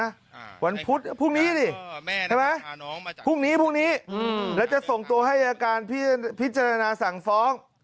อ่าวันพุธพรุ่งนี้ดิใช่ไหมพรุ่งนี้พรุ่งนี้อืมแล้วจะส่งตัวให้อายการพิจารณาสั่งฟ้อง